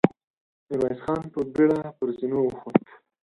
ميرويس خان په بېړه پر زينو وخوت.